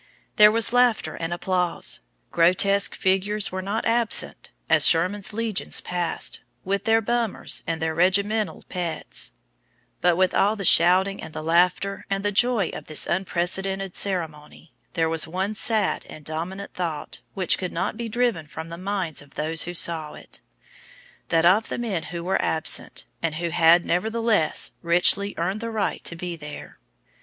There was laughter and applause; grotesque figures were not absent as Sherman's legions passed, with their "bummers" and their regimental pets; but with all the shouting and the laughter and the joy of this unprecedented ceremony, there was one sad and dominant thought which could not be driven from the minds of those who saw it that of the men who were absent, and who had, nevertheless, richly earned the right to be there.